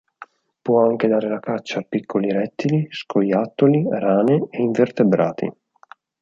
Può anche dare la caccia a piccoli rettili, scoiattoli, rane e invertebrati.